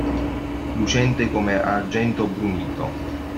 Lucente come argento brunito.